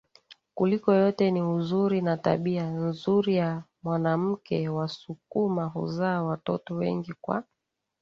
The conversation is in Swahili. kuliko yote ni uzuri na tabia nzuri ya mwanamkewasukuma huzaa watoto wengi Kwa